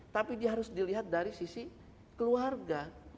tapi dia harus dilihat dari sisi keluarga